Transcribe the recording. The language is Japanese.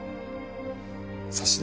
差し出